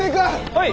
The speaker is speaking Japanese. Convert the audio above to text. はい！